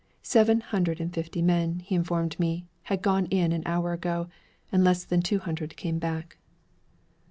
Seven hundred and fifty men, he informed me, had gone in an hour ago, and less than two hundred came back.